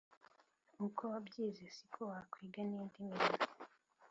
uko wabyize siko wakwiga nindi mirimo!